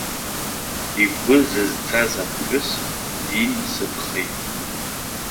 Игәы зызцаз аԥҳәыс динасыԥхеит.